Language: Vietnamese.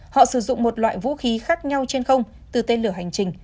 họ sử dụng một loại vũ khí khác nhau trên không từ tên lửa hành trình